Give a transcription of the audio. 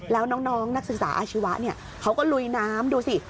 แล้วน้องนักศึกษาอาชีวะเขาก็ลุยน้ำดูสิ